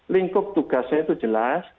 lingkup tugasnya itu jelas